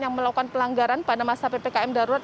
yang melakukan pelanggaran pada masa ppkm darurat